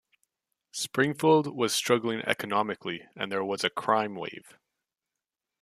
Springfield was struggling economically, and there was a crime wave.